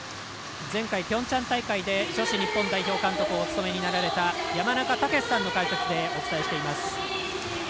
前回ピョンチャン大会で女子日本代表監督をお務めになられた山中武司さんの解説でお伝えしています。